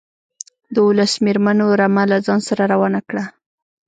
د اوولس مېرمنو رمه له ځان سره روانه کړه.